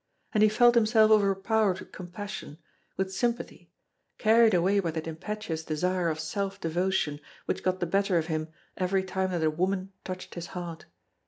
And he felt himself overpowered with compassion, with sympathy, carried away by that impetuous desire of self devotion which got the better of him every time that a woman touched his heart.